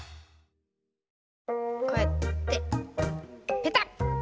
こうやってペタッ！